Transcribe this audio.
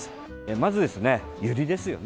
まず、ユリですよね。